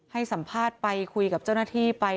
ให้สัมภาษณ์ไปคุยกับเจ้าหน้าที่ไป